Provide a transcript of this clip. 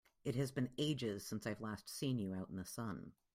It has been ages since I've last seen you out in the sun!